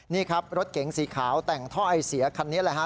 นี่ครับรถเก๋งสีขาวแต่งท่อไอเสียคันนี้แหละฮะ